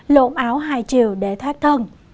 lộn áo hai chiều để thoát thân